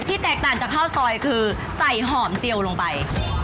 แตกต่างจากข้าวซอยคือใส่หอมเจียวลงไป